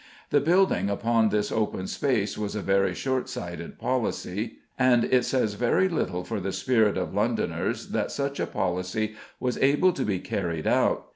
The building upon this open space was a very short sighted policy, and it says very little for the spirit of Londoners that such a policy was able to be carried out.